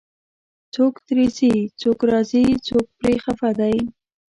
څوک ترې ځي، څوک راځي، څوک پرې خفه دی